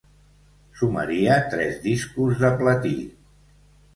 Sumaria tres discos de platí.